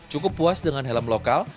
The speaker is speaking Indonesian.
cukup puas dengan helm lokal